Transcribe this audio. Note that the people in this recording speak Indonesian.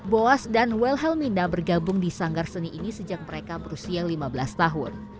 boas dan welhelmina bergabung di sanggar seni ini sejak mereka berusia lima belas tahun